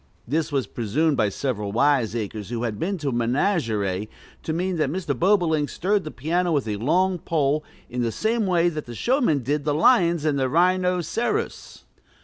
This was presumed by several wiseacres, who had been to a menagerie, to mean that Mr. Bobolink stirred the piano with a long pole, in the same way that the showman did the lions and rhi no ce rus.